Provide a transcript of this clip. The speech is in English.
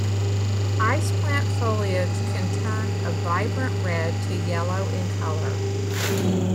Ice plant foliage can turn a vibrant red to yellow in color.